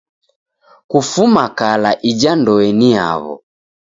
Kufuma kala ija ndoe ni yaw'o.